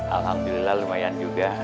alhamdulillah lumayan juga